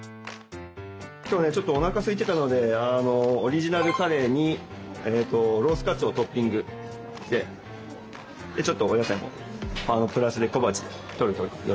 今日はねちょっとおなかすいていたのでオリジナルカレーにロースカツをトッピングしてちょっとお野菜もプラスで小鉢でとるというようにしました。